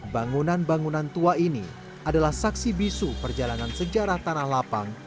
bangunan bangunan tua ini adalah saksi bisu perjalanan sejarah tanah lapang